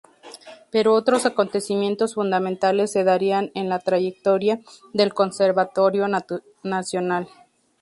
Pero otros acontecimientos fundamentales se darían en la trayectoria del Conservatorio Nacional.